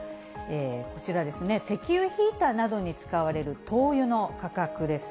こちらですね、石油ヒーターなどに使われる灯油の価格です。